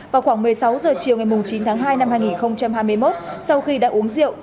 vào khoảng một mươi sáu h chiều ngày chín tháng hai năm hai nghìn hai mươi một sau khi đã uống rượu